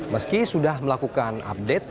meski sudah melakukan update